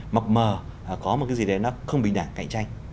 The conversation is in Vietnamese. mập mờ có một cái gì đấy nó không bình đẳng cạnh tranh